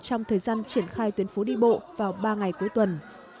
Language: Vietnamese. trong thời gian triển khai tuyến phố đi bộ vào ba ngày cuối tuần